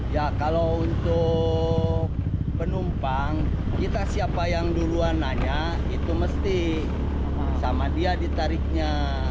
ya kalau untuk penumpang kita siapa yang duluan nanya itu mesti sama dia ditariknya